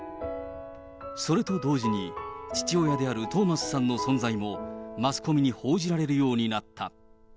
それと同時に、父親であるトーマスさんの存在もマスコミに報じられるようになった。